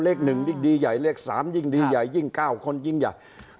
เลขหนึ่งยิ่งดีใหญ่เลขสามยิ่งดีใหญ่ยิ่งเก้าคนยิ่งใหญ่